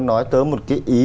nói tới một cái ý